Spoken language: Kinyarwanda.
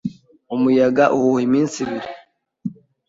Umuyaga uhuha iminsi ibiri.